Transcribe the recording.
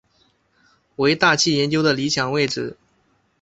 为大气研究的理想位置。